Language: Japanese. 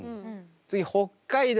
次北海道